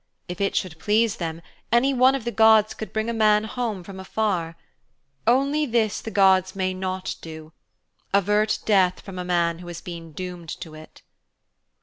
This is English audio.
If it should please them, any one of the gods could bring a man home from afar. Only this the gods may not do avert death from a man who has been doomed to it.'